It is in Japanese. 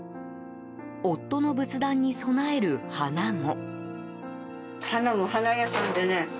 夫の仏壇に供える花も。